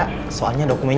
gue sudah lepas ber braun